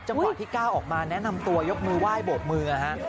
จังหวะที่ก้าวออกมาแนะนำตัวยกมือไหว้โบกมือฮะ